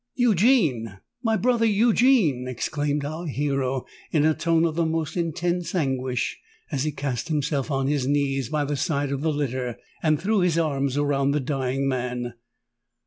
"Eugene—my brother Eugene!" exclaimed our hero, in a tone of the most intense anguish, as he cast himself on his knees by the side of the litter, and threw his arms around the dying man.